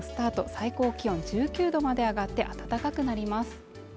最高気温１９度まで上がって暖かくなります。